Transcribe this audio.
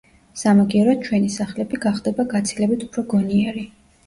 სამაგიეროდ, ჩვენი სახლები გახდება გაცილებით უფრო გონიერი.